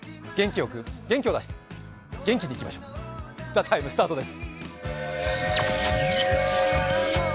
元気を出して、元気にいきましょう「ＴＨＥＴＩＭＥ，」スタートです。